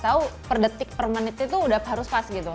tau per detik per menitnya tuh udah harus pas gitu